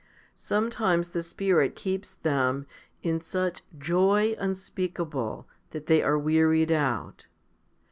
Sometimes the Spirit keeps them in such joy unspeakable 1 that they are wearied out.